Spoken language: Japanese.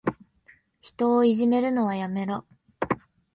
人をいじめるのはやめろ。